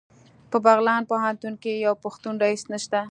په بغلان پوهنتون کې یو پښتون رییس نشته